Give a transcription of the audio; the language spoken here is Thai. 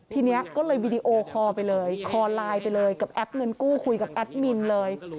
ทีนี้ก็เลยวีดีโอคอลไปเลยคอไลน์ไปเลยกับแอปเงินกู้คุยกับแอดมินเลย